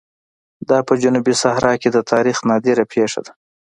دا په جنوبي صحرا کې د تاریخ نادره پېښه ده.